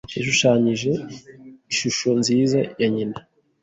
Yashushanyije ishusho nziza ya nyina.